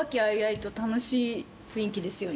楽しい雰囲気ですよね。